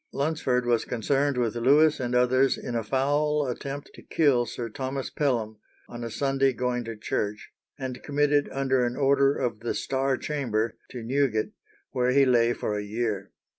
Lunsford was concerned with Lewis and others in a foul attempt to kill Sir Thomas Pelham, on a Sunday going to church, and committed under an order of the Star Chamber to Newgate, where he lay for a year.